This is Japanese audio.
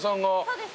そうです